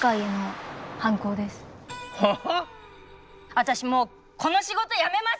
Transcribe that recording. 私もうこの仕事辞めます！